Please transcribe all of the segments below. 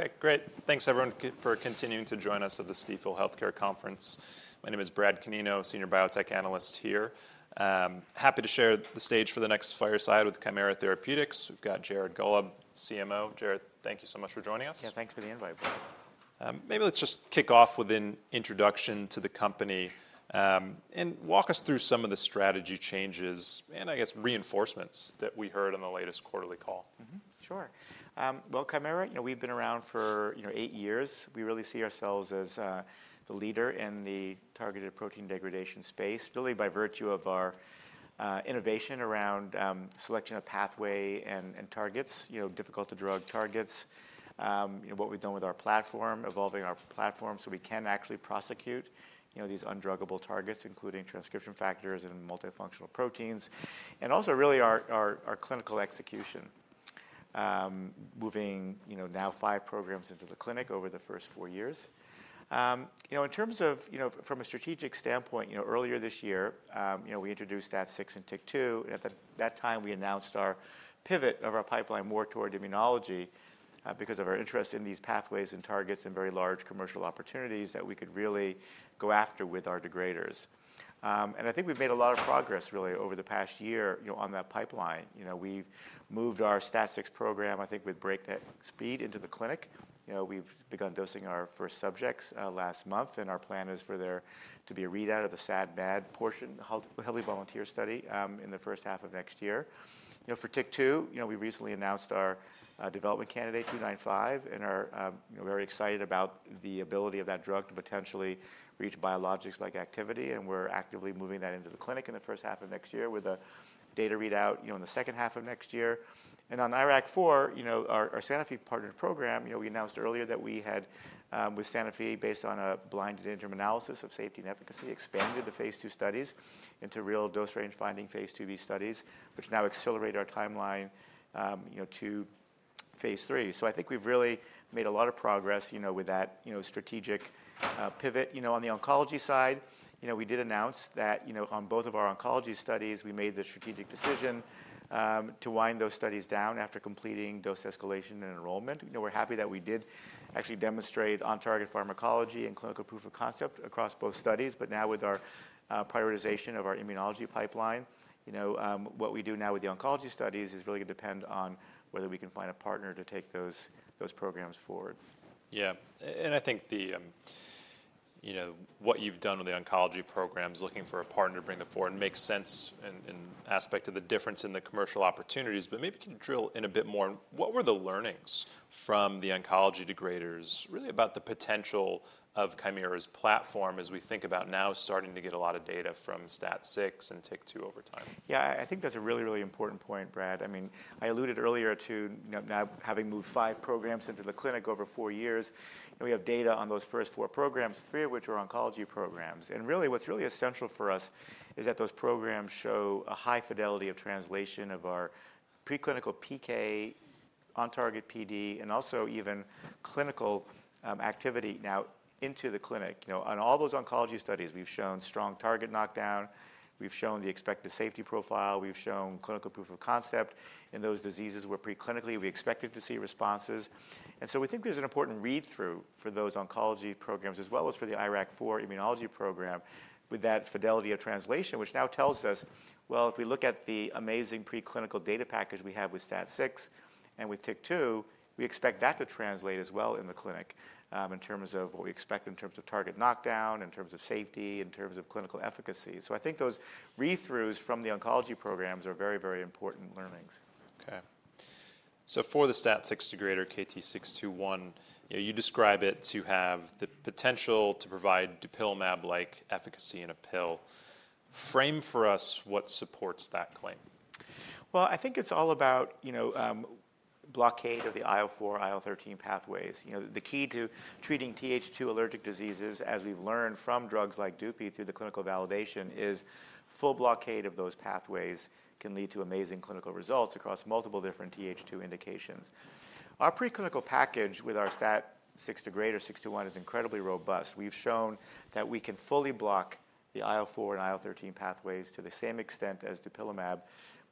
Okay, great. Thanks, everyone, for continuing to join us at the Stifel Healthcare Conference. My name is Brad Canino, Senior Biotech Analyst here. Happy to share the stage for the next fireside with Kymera Therapeutics. We've got Jared Gollob, CMO. Jared, thank you so much for joining us Yeah, thanks for the invite. Maybe let's just kick off with an introduction to the company and walk us through some of the strategy changes and, I guess, reinforcements that we heard on the latest quarterly call. Sure. Kymera, we've been around for eight years. We really see ourselves as the leader in the targeted protein degradation space, really by virtue of our innovation around selection of pathway and targets, difficult-to-drug targets, what we've done with our platform, evolving our platform so we can actually pursue these undruggable targets, including transcription factors and multifunctional proteins, and also really our clinical execution, moving now five programs into the clinic over the first four years. In terms of, from a strategic standpoint, earlier this year, we introduced STAT6 and TYK2. At that time, we announced our pivot of our pipeline more toward immunology because of our interest in these pathways and targets and very large commercial opportunities that we could really go after with our degraders. I think we've made a lot of progress, really, over the past year on that pipeline. We've moved our STAT6 program, I think, with breakneck speed into the clinic. We've begun dosing our first subjects last month, and our plan is for there to be a readout of the SAD/MAD portion, the Healthy Volunteer Study, in the first half of next year. For TYK2, we recently announced our development candidate, KT-295, and are very excited about the ability of that drug to potentially reach biologics-like activity. And we're actively moving that into the clinic in the first half of next year with a data readout in the second half of next year. And on IRAK4, our Sanofi partnered program, we announced earlier that we had, with Sanofi, based on a blinded interim analysis of safety and efficacy, expanded the phase II studies into real dose range finding phase II-B studies, which now accelerate our timeline to phase III. I think we've really made a lot of progress with that strategic pivot. On the oncology side, we did announce that on both of our oncology studies, we made the strategic decision to wind those studies down after completing dose escalation and enrollment. We're happy that we did actually demonstrate on-target pharmacology and clinical proof of concept across both studies. But now, with our prioritization of our immunology pipeline, what we do now with the oncology studies is really going to depend on whether we can find a partner to take those programs forward. Yeah. And I think what you've done with the oncology programs, looking for a partner to bring them forward, makes sense in aspect of the difference in the commercial opportunities. But maybe can you drill in a bit more? What were the learnings from the oncology degraders, really, about the potential of Kymera's platform as we think about now starting to get a lot of data from STAT6 and TYK2 over time? Yeah, I think that's a really, really important point, Brad. I mean, I alluded earlier to now having moved five programs into the clinic over four years. We have data on those first four programs, three of which are oncology programs. And really, what's really essential for us is that those programs show a high fidelity of translation of our preclinical PK, on-target PD, and also even clinical activity now into the clinic. On all those oncology studies, we've shown strong target knockdown. We've shown the expected safety profile. We've shown clinical proof of concept in those diseases where preclinically we expected to see responses. And so we think there's an important read-through for those oncology programs as well as for the IRAK4 immunology program with that fidelity of translation, which now tells us, well, if we look at the amazing preclinical data package we have with STAT6 and with TYK2, we expect that to translate as well in the clinic in terms of what we expect in terms of target knockdown, in terms of safety, in terms of clinical efficacy. So I think those read-throughs from the oncology programs are very, very important learnings. Okay. So for the STAT6 degrader, KT-621, you describe it to have the potential to provide dupilumab-like efficacy in a pill. Frame for us what supports that claim. I think it's all about blockade of the IL-4, IL-13 pathways. The key to treating Th2 allergic diseases, as we've learned from drugs like DUPI through the clinical validation, is full blockade of those pathways can lead to amazing clinical results across multiple different Th2 indications. Our preclinical package with our STAT6 degrader, 621, is incredibly robust. We've shown that we can fully block the IL-4 and IL-13 pathways to the same extent as dupilumab,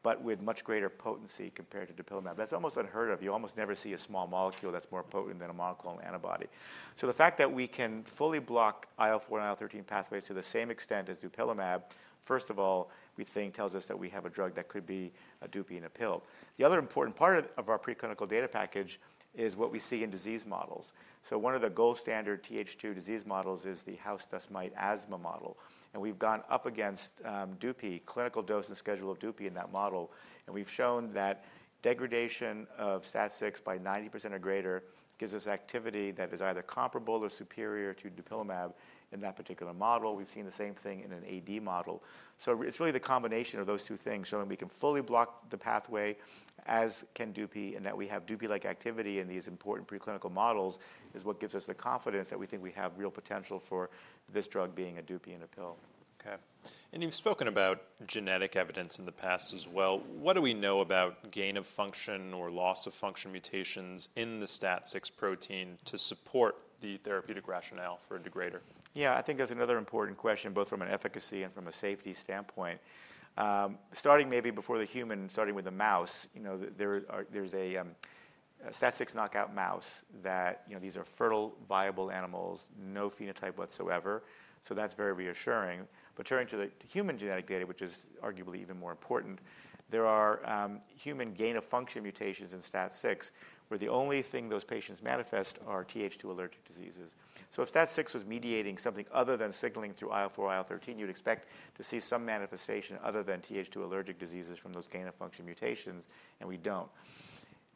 but with much greater potency compared to dupilumab. That's almost unheard of. You almost never see a small molecule that's more potent than a monoclonal antibody, so the fact that we can fully block IL-4 and IL-13 pathways to the same extent as dupilumab, first of all, we think tells us that we have a drug that could be a DUPI in a pill. The other important part of our preclinical data package is what we see in disease models. So one of the gold standard TH2 disease models is the house dust mite asthma model. And we've gone up against DUPI, clinical dose and schedule of DUPI in that model. And we've shown that degradation of STAT6 by 90% or greater gives us activity that is either comparable or superior to dupilumab in that particular model. We've seen the same thing in an AD model. So it's really the combination of those two things, showing we can fully block the pathway as can DUPI, and that we have DUPI-like activity in these important preclinical models is what gives us the confidence that we think we have real potential for this drug being a DUPI in a pill. Okay. And you've spoken about genetic evidence in the past as well. What do we know about gain of function or loss of function mutations in the STAT6 protein to support the therapeutic rationale for a degrader? Yeah, I think that's another important question, both from an efficacy and from a safety standpoint. Starting maybe before the human, starting with the mouse, there's a STAT6 knockout mouse that these are fertile, viable animals, no phenotype whatsoever. So that's very reassuring. But turning to the human genetic data, which is arguably even more important, there are human gain of function mutations in STAT6 where the only thing those patients manifest are Th2 allergic diseases. So if STAT6 was mediating something other than signaling through IL4, IL13, you'd expect to see some manifestation other than Th2 allergic diseases from those gain of function mutations, and we don't.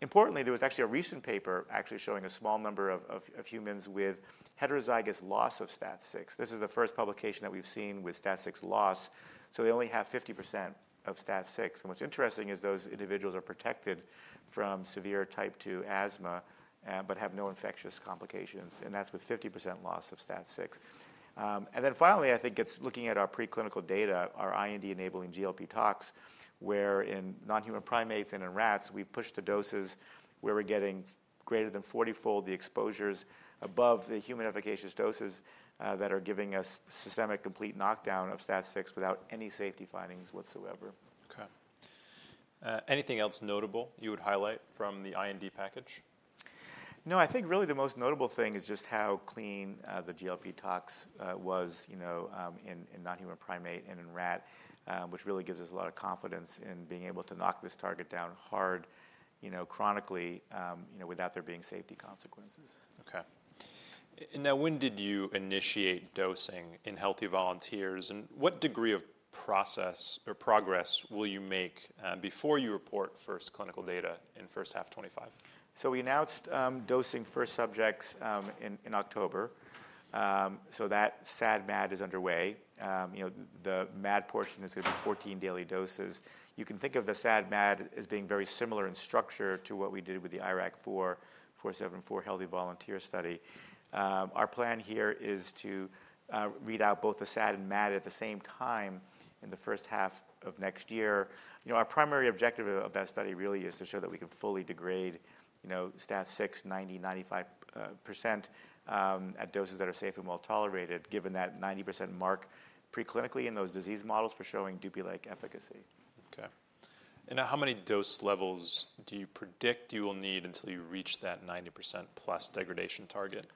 Importantly, there was actually a recent paper actually showing a small number of humans with heterozygous loss of STAT6. This is the first publication that we've seen with STAT6 loss. So they only have 50% of STAT6. And what's interesting is those individuals are protected from severe type 2 asthma but have no infectious complications. And that's with 50% loss of STAT6. And then finally, I think it's looking at our preclinical data, our IND-enabling GLP tox, where in non-human primates and in rats, we pushed the doses where we're getting greater than 40-fold the exposures above the human efficacious doses that are giving us systemic complete knockdown of STAT6 without any safety findings whatsoever. Okay. Anything else notable you would highlight from the IND package? No, I think really the most notable thing is just how clean the GLP tox was in non-human primate and in rat, which really gives us a lot of confidence in being able to knock this target down hard chronically without there being safety consequences. Okay. And now, when did you initiate dosing in healthy volunteers? And what degree of progress will you make before you report first clinical data in first half 2025? We announced dosing first subjects in October. That SAD/MAD is underway. The MAD portion is going to be 14 daily doses. You can think of the SAD/MAD as being very similar in structure to what we did with the IRAK4, 474 Healthy Volunteer Study. Our plan here is to read out both the SAD and MAD at the same time in the first half of next year. Our primary objective of that study really is to show that we can fully degrade STAT6 90%, 95% at doses that are safe and well tolerated, given that 90% mark preclinically in those disease models for showing DUPI-like efficacy. Okay. And now, how many dose levels do you predict you will need until you reach that 90% plus degradation target?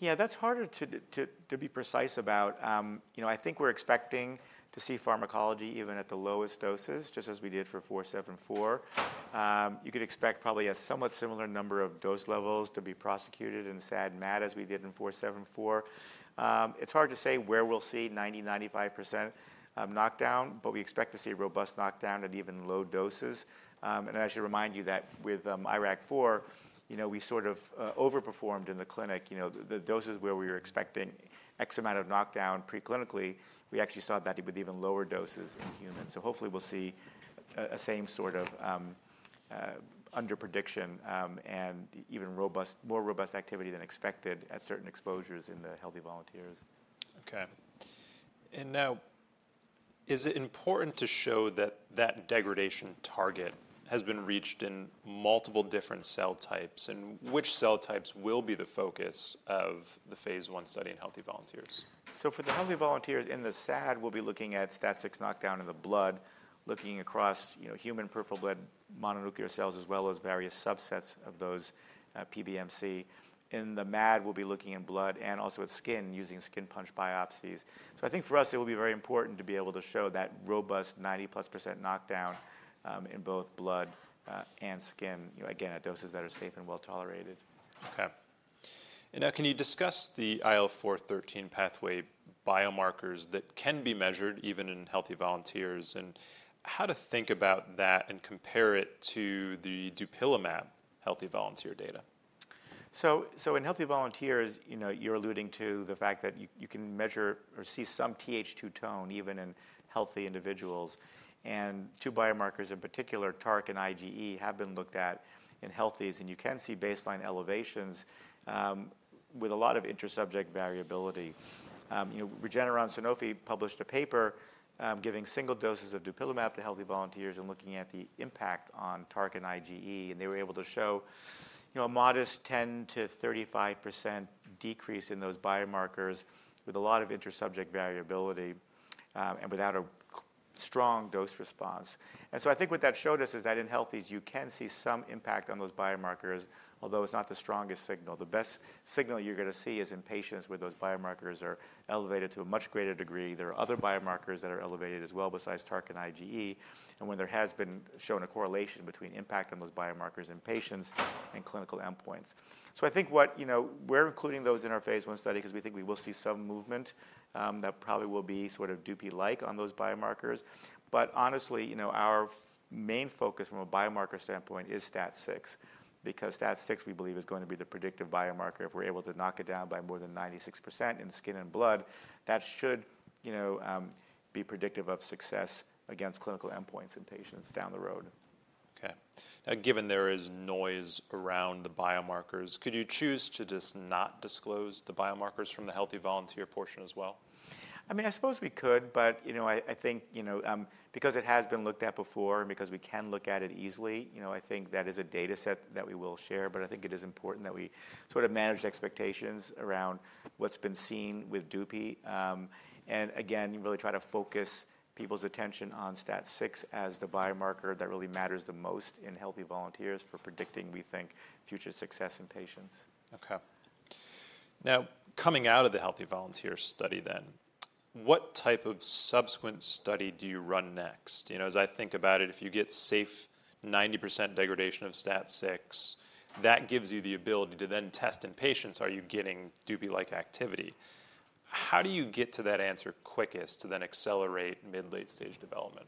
Yeah, that's harder to be precise about. I think we're expecting to see pharmacology even at the lowest doses, just as we did for 474. You could expect probably a somewhat similar number of dose levels to be prosecuted in SAD/MAD as we did in 474. It's hard to say where we'll see 90%, 95% knockdown, but we expect to see a robust knockdown at even low doses. And I should remind you that with IRAK4, we sort of overperformed in the clinic. The doses where we were expecting X amount of knockdown preclinically, we actually saw that with even lower doses in humans. So hopefully, we'll see a same sort of underprediction and even more robust activity than expected at certain exposures in the healthy volunteers. Okay. And now, is it important to show that that degradation target has been reached in multiple different cell types? And which cell types will be the focus of the phase I study in healthy volunteers? For the healthy volunteers in the SAD, we'll be looking at STAT6 knockdown in the blood, looking across human peripheral blood mononuclear cells as well as various subsets of those PBMC. In the MAD, we'll be looking in blood and also at skin using skin punch biopsies. I think for us, it will be very important to be able to show that robust 90% plus knockdown in both blood and skin, again, at doses that are safe and well tolerated. Okay. And now, can you discuss the IL-4/13 pathway biomarkers that can be measured even in healthy volunteers? And how to think about that and compare it to the dupilumab healthy volunteer data? So in healthy volunteers, you're alluding to the fact that you can measure or see some Th2 tone even in healthy individuals. And two biomarkers in particular, TARC and IgE, have been looked at in healthies. And you can see baseline elevations with a lot of intersubject variability. Regeneron and Sanofi published a paper giving single doses of dupilumab to healthy volunteers and looking at the impact on TARC and IgE. And they were able to show a modest 10% to 35% decrease in those biomarkers with a lot of intersubject variability and without a strong dose response. And so I think what that showed us is that in healthies, you can see some impact on those biomarkers, although it's not the strongest signal. The best signal you're going to see is in patients where those biomarkers are elevated to a much greater degree. There are other biomarkers that are elevated as well besides TARC and IgE, and when there has been shown a correlation between impact on those biomarkers in patients and clinical endpoints, so I think we're including those in our phase I study because we think we will see some movement that probably will be sort of DUPI-like on those biomarkers. But honestly, our main focus from a biomarker standpoint is STAT6 because STAT6, we believe, is going to be the predictive biomarker. If we're able to knock it down by more than 96% in skin and blood, that should be predictive of success against clinical endpoints in patients down the road. Okay. Now, given there is noise around the biomarkers, could you choose to just not disclose the biomarkers from the healthy volunteer portion as well? I mean, I suppose we could, but I think because it has been looked at before and because we can look at it easily, I think that is a dataset that we will share. But I think it is important that we sort of manage expectations around what's been seen with DUPI. And again, really try to focus people's attention on STAT6 as the biomarker that really matters the most in healthy volunteers for predicting, we think, future success in patients. Okay. Now, coming out of the healthy volunteer study then, what type of subsequent study do you run next? As I think about it, if you get safe 90% degradation of STAT6, that gives you the ability to then test in patients, are you getting DUPI-like activity? How do you get to that answer quickest to then accelerate mid-late stage development?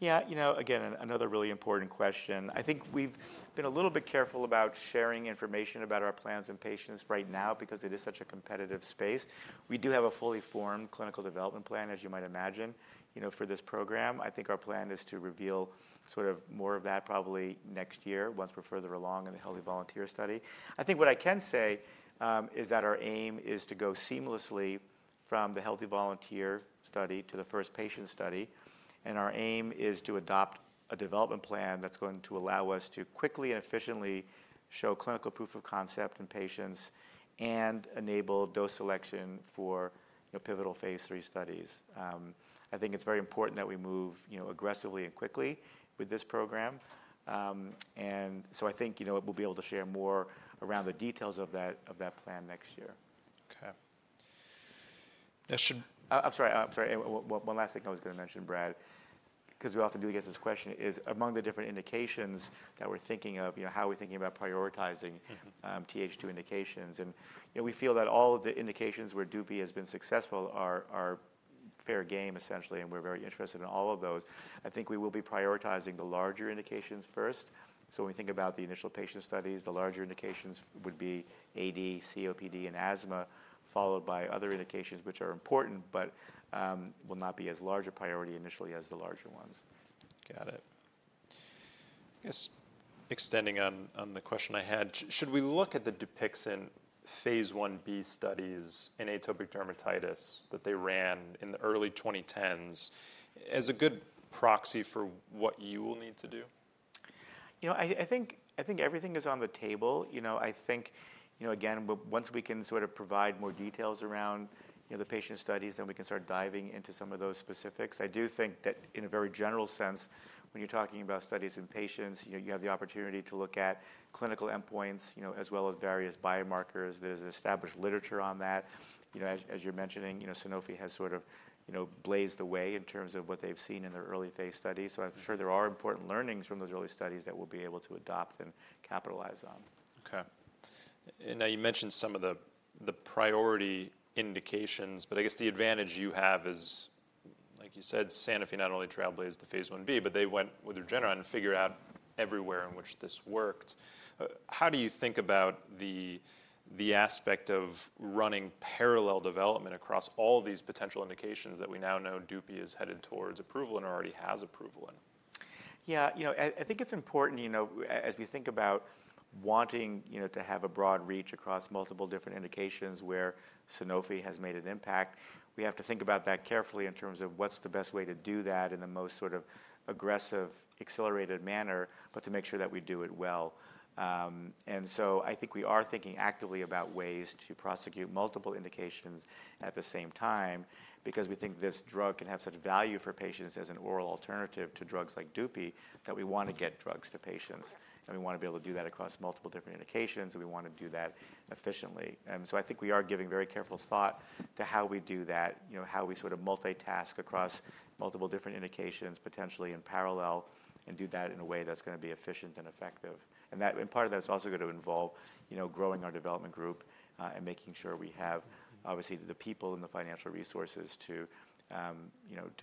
Yeah, again, another really important question. I think we've been a little bit careful about sharing information about our plans in patients right now because it is such a competitive space. We do have a fully formed clinical development plan, as you might imagine, for this program. I think our plan is to reveal sort of more of that probably next year once we're further along in the healthy volunteer study. I think what I can say is that our aim is to go seamlessly from the healthy volunteer study to the first patient study, and our aim is to adopt a development plan that's going to allow us to quickly and efficiently show clinical proof of concept in patients and enable dose selection for pivotal phase III studies. I think it's very important that we move aggressively and quickly with this program. I think we'll be able to share more around the details of that plan next year. Okay. I'm sorry. One last thing I was going to mention, Brad, because we often do get this question, is among the different indications that we're thinking of, how are we thinking about prioritizing TH2 indications? We feel that all of the indications where DUPI has been successful are fair game, essentially, and we're very interested in all of those. I think we will be prioritizing the larger indications first. So when we think about the initial patient studies, the larger indications would be AD, COPD, and asthma, followed by other indications, which are important but will not be as large a priority initially as the larger ones. Got it. I guess extending on the question I had, should we look at the Dupixent phase I-B studies in atopic dermatitis that they ran in the early 2010s as a good proxy for what you will need to do? I think everything is on the table. I think, again, once we can sort of provide more details around the patient studies, then we can start diving into some of those specifics. I do think that in a very general sense, when you're talking about studies in patients, you have the opportunity to look at clinical endpoints as well as various biomarkers. There's established literature on that. As you're mentioning, Sanofi has sort of blazed the way in terms of what they've seen in their early phase studies. So I'm sure there are important learnings from those early studies that we'll be able to adopt and capitalize on. Okay. And now you mentioned some of the priority indications, but I guess the advantage you have is, like you said, Sanofi not only trialed phase I-B, but they went with Regeneron and figured out everywhere in which this worked. How do you think about the aspect of running parallel development across all these potential indications that we now know DUPI is headed towards approval and already has approval in? Yeah, I think it's important as we think about wanting to have a broad reach across multiple different indications where Sanofi has made an impact. We have to think about that carefully in terms of what's the best way to do that in the most sort of aggressive, accelerated manner, but to make sure that we do it well. And so I think we are thinking actively about ways to prosecute multiple indications at the same time because we think this drug can have such value for patients as an oral alternative to drugs like DUPI that we want to get drugs to patients. And we want to be able to do that across multiple different indications, and we want to do that efficiently. And so I think we are giving very careful thought to how we do that, how we sort of multitask across multiple different indications potentially in parallel and do that in a way that's going to be efficient and effective. And part of that is also going to involve growing our development group and making sure we have, obviously, the people and the financial resources to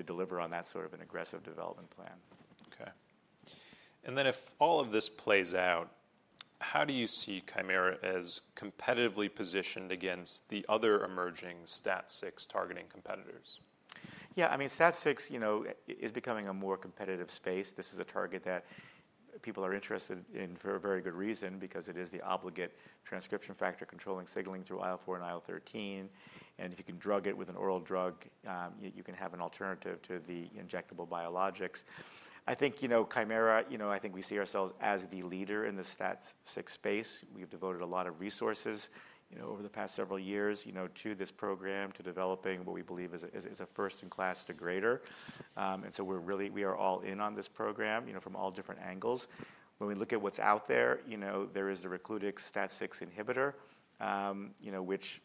deliver on that sort of an aggressive development plan. Okay, and then if all of this plays out, how do you see Kymera as competitively positioned against the other emerging STAT6 targeting competitors? Yeah, I mean, STAT6 is becoming a more competitive space. This is a target that people are interested in for a very good reason because it is the obligate transcription factor controlling signaling through IL-4 and IL-13. And if you can drug it with an oral drug, you can have an alternative to the injectable biologics. I think Kymera, I think we see ourselves as the leader in the STAT6 space. We've devoted a lot of resources over the past several years to this program, to developing what we believe is a first-in-class degrader. And so we are all in on this program from all different angles. When we look at what's out there, there is the Recludix STAT6 inhibitor, which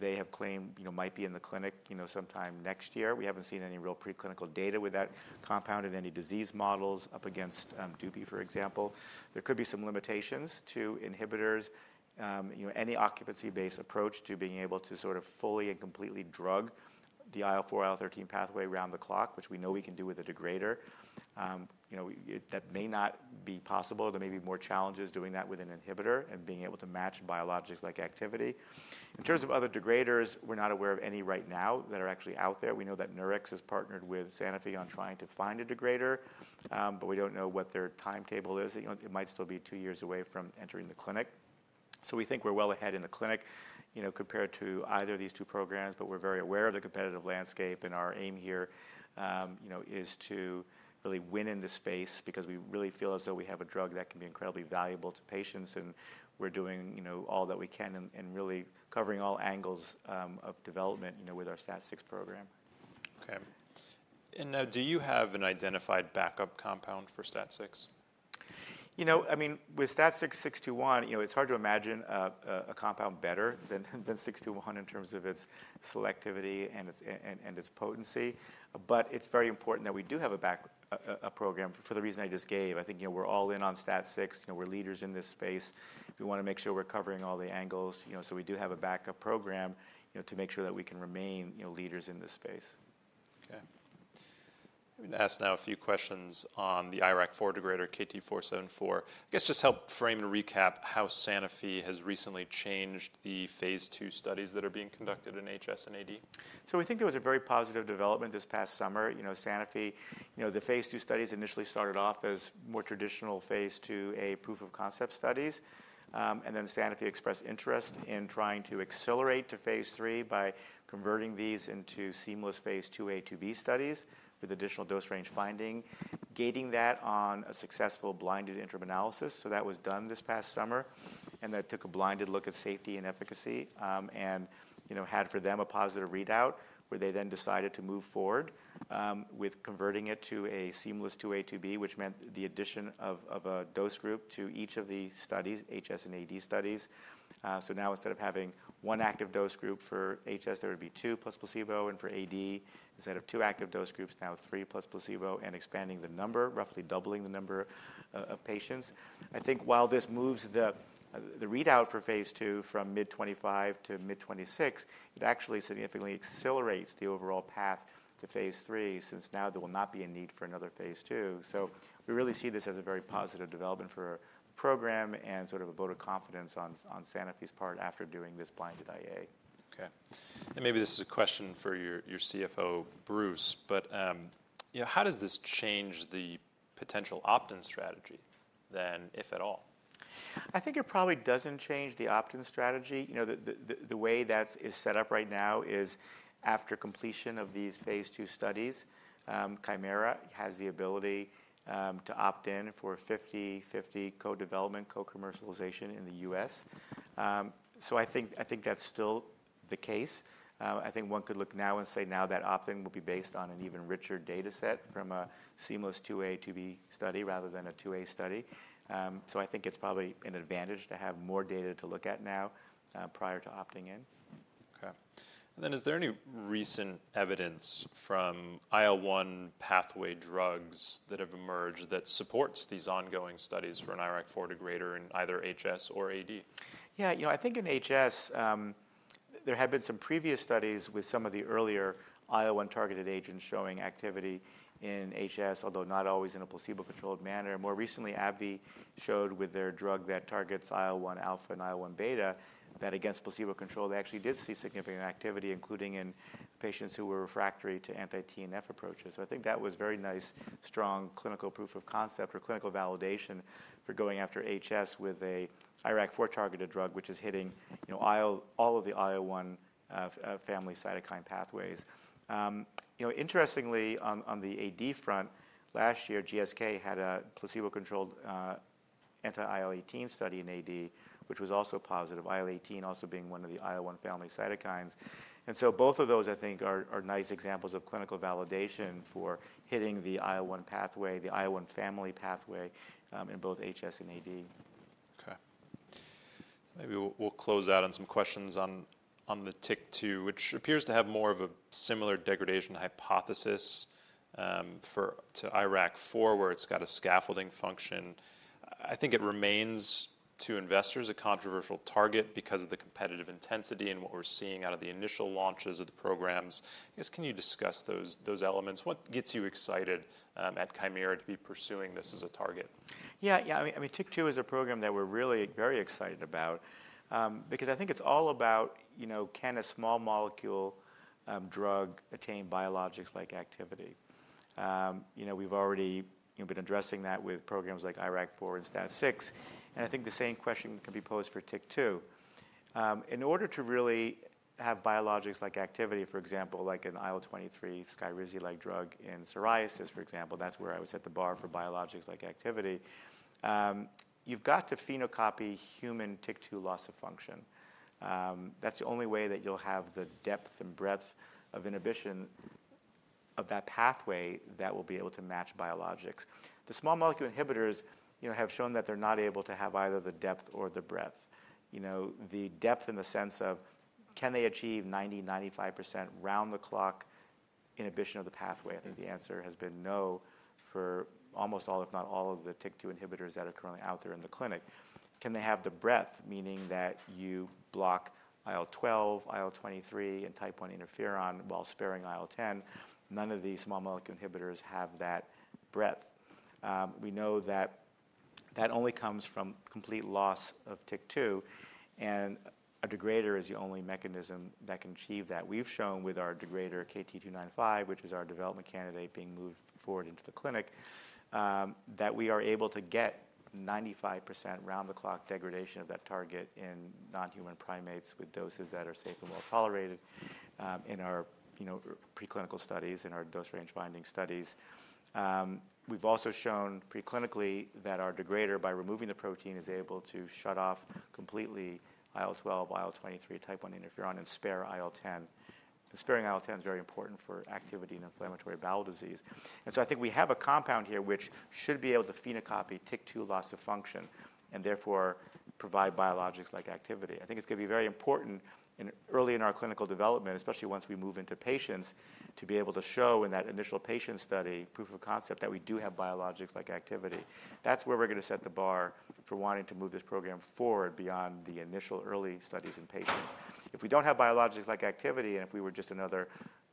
they have claimed might be in the clinic sometime next year. We haven't seen any real preclinical data with that compound in any disease models up against DUPI, for example. There could be some limitations to inhibitors. Any occupancy-based approach to being able to sort of fully and completely drug the IL-4, IL-13 pathway around the clock, which we know we can do with a degrader, that may not be possible. There may be more challenges doing that with an inhibitor and being able to match biologics-like activity. In terms of other degraders, we're not aware of any right now that are actually out there. We know that Nurix has partnered with Sanofi on trying to find a degrader, but we don't know what their timetable is. It might still be two years away from entering the clinic. So we think we're well ahead in the clinic compared to either of these two programs, but we're very aware of the competitive landscape. And our aim here is to really win in the space because we really feel as though we have a drug that can be incredibly valuable to patients. And we're doing all that we can and really covering all angles of development with our STAT6 program. Okay. And now, do you have an identified backup compound for STAT6? I mean, with STAT6 KT-621, it's hard to imagine a compound better than KT-621 in terms of its selectivity and its potency. But it's very important that we do have a program for the reason I just gave. I think we're all in on STAT6. We're leaders in this space. We want to make sure we're covering all the angles. So we do have a backup program to make sure that we can remain leaders in this space. Okay. I'm going to ask now a few questions on the IRAK4 degrader, KT-474. I guess just help frame and recap how Sanofi has recently changed the phase II studies that are being conducted in HS and AD. So we think there was a very positive development this past summer. Sanofi, the phase II studies initially started off as more traditional phase II-A proof of concept studies. And then Sanofi expressed interest in trying to accelerate to phase III by converting these into seamless phase II-A, II-B studies with additional dose range finding, gating that on a successful blinded interim analysis. So that was done this past summer. And that took a blinded look at safety and efficacy and had for them a positive readout where they then decided to move forward with converting it to a seamless II-A, II-B, which meant the addition of a dose group to each of the studies, HS and AD studies. So now instead of having one active dose group for HS, there would be two plus placebo. And for AD, instead of two active dose groups, now three plus placebo and expanding the number, roughly doubling the number of patients. I think while this moves the readout for phase II from mid-2025 to mid-2026, it actually significantly accelerates the overall path to phase III since now there will not be a need for another phase II. So we really see this as a very positive development for the program and sort of a vote of confidence on Sanofi's part after doing this blinded IA. Okay. And maybe this is a question for your CFO, Bruce, but how does this change the potential opt-in strategy then, if at all? I think it probably doesn't change the opt-in strategy. The way that is set up right now is after completion of these phase II studies, Kymera has the ability to opt in for 50/50 co-development, co-commercialization in the U.S. So I think that's still the case. I think one could look now and say now that opt-in will be based on an even richer dataset from a seamless two A, two B study rather than a two A study. So I think it's probably an advantage to have more data to look at now prior to opting in. Okay. And then is there any recent evidence from IL-1 pathway drugs that have emerged that supports these ongoing studies for an IRAK4 degrader in either HS or AD? Yeah, I think in HS, there had been some previous studies with some of the earlier IL-1 targeted agents showing activity in HS, although not always in a placebo-controlled manner. More recently, AbbVie showed with their drug that targets IL-1 alpha and IL-1 beta that against placebo control, they actually did see significant activity, including in patients who were refractory to anti-TNF approaches. So I think that was very nice, strong clinical proof of concept or clinical validation for going after HS with an IRAK4-targeted drug, which is hitting all of the IL-1 family cytokine pathways. Interestingly, on the AD front, last year, GSK had a placebo-controlled anti-IL-18 study in AD, which was also positive, IL-18 also being one of the IL-1 family cytokines. Both of those, I think, are nice examples of clinical validation for hitting the IL-1 pathway, the IL-1 family pathway in both HS and AD. Okay. Maybe we'll close out on some questions on the TYK2, which appears to have more of a similar degradation hypothesis to IRAK4, where it's got a scaffolding function. I think it remains to investors a controversial target because of the competitive intensity and what we're seeing out of the initial launches of the programs. I guess can you discuss those elements? What gets you excited at Kymera to be pursuing this as a target? Yeah, yeah. I mean, TYK2 is a program that we're really very excited about because I think it's all about can a small molecule drug attain biologics-like activity? We've already been addressing that with programs like IRAK4 and STAT6. And I think the same question can be posed for TYK2. In order to really have biologics-like activity, for example, like an IL-23 Skyrizi-like drug in psoriasis, for example, that's where I was at the bar for biologics-like activity, you've got to phenocopy human TYK2 loss of function. That's the only way that you'll have the depth and breadth of inhibition of that pathway that will be able to match biologics. The small molecule inhibitors have shown that they're not able to have either the depth or the breadth. The depth in the sense of can they achieve 90%-95% round-the-clock inhibition of the pathway? I think the answer has been no for almost all, if not all, of the TYK2 inhibitors that are currently out there in the clinic. Can they have the breadth, meaning that you block IL-12, IL-23, and Type I Interferon while sparing IL-10? None of these small molecule inhibitors have that breadth. We know that that only comes from complete loss of TYK2, and a degrader is the only mechanism that can achieve that. We've shown with our degrader KT-295, which is our development candidate being moved forward into the clinic, that we are able to get 95% round-the-clock degradation of that target in non-human primates with doses that are safe and well tolerated in our preclinical studies and our dose range finding studies. We've also shown preclinically that our degrader, by removing the protein, is able to shut off completely IL-12, IL-23, Type I Interferon, and spare IL-10. Sparing IL-10 is very important for activity in inflammatory bowel disease, and so I think we have a compound here which should be able to phenocopy TYK2 loss of function and therefore provide biologics-like activity. I think it's going to be very important early in our clinical development, especially once we move into patients, to be able to show in that initial patient study proof of concept that we do have biologics-like activity. That's where we're going to set the bar for wanting to move this program forward beyond the initial early studies in patients. If we don't have biologics-like activity and if we were just another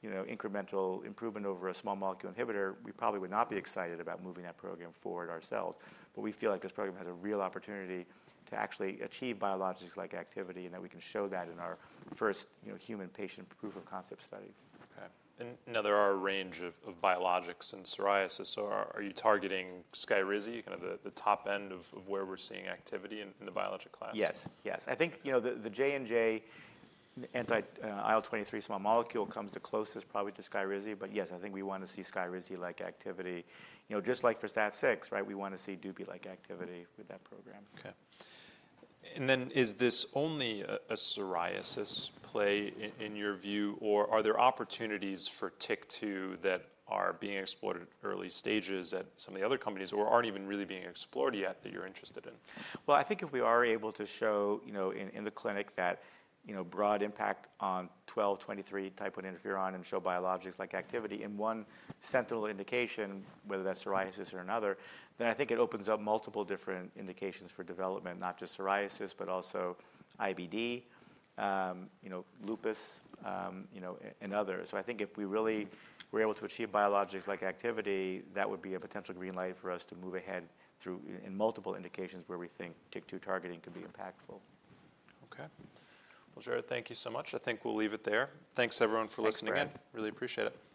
incremental improvement over a small molecule inhibitor, we probably would not be excited about moving that program forward ourselves. We feel like this program has a real opportunity to actually achieve biologics-like activity and that we can show that in our first human patient proof of concept studies. Okay. And now there are a range of biologics in psoriasis. So are you targeting Skyrizi, kind of the top end of where we're seeing activity in the biologic class? Yes, yes. I think the J&J anti-IL-23 small molecule comes the closest probably to Skyrizi. But yes, I think we want to see Skyrizi-like activity. Just like for STAT6, right, we want to see DUPI-like activity with that program. Okay. And then is this only a psoriasis play in your view, or are there opportunities for TYK2 that are being explored at early stages at some of the other companies or aren't even really being explored yet that you're interested in? I think if we are able to show in the clinic that broad impact on IL-12, IL-23, type I interferon and show biologics-like activity in one sentinel indication, whether that's psoriasis or another, then I think it opens up multiple different indications for development, not just psoriasis, but also IBD, lupus, and others. So I think if we really were able to achieve biologics-like activity, that would be a potential green light for us to move ahead through in multiple indications where we think TYK2 targeting could be impactful. Okay. Well, Jared, thank you so much. I think we'll leave it there. Thanks, everyone, for listening in. Thank you. Really appreciate it.